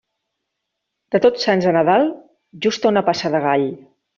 De Tots Sants a Nadal, justa una passa de gall.